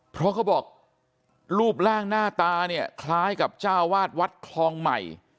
เพราะเขาบอกรูปร่างหน้าตาเนี่ยคล้ายกับเจ้าวาดวัดคลองใหม่